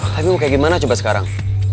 tapi mau kayak gimana coba sekarang